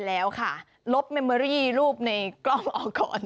แล้วค่ะลบเมมเมอรี่รูปในกล้องออกก่อน